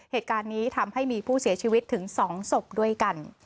เหตุการณ์นี้ทำให้มีผู้เสียชีวิตถึง๒ศพด้วยกัน